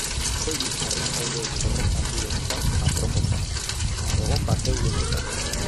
Soilik jarraitzaile porrokatuentzat aproposa, egon bazeuden eta.